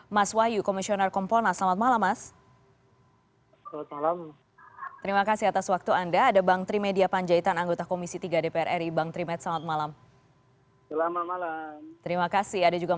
mas wahyu komisioner kompolnas selamat malam mas